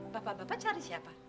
bapak bapak cari siapa